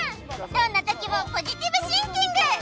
どんなときもポジティブシンキング！